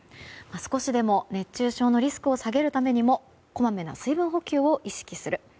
少しでも熱中症のリスクを下げるためにもこまめな水分補給を意識する。